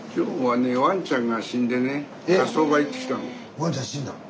ワンちゃん死んだの？